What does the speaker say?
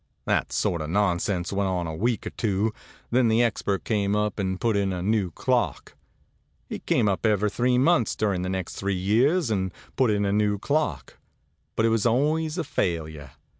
That sort of nonsense went on a week or two, then the expert came up and put in a new clock. He came up every three months during the next three years, and put in a new clock. But it was always a failure.